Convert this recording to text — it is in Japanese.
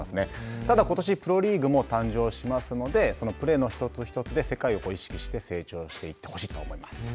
ただ、ことしプロリーグも誕生しますのでそのプレーの一つ一つで世界を意識して成長していってほしいと思います。